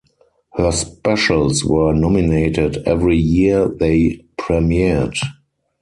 Her specials were nominated every year they premiered.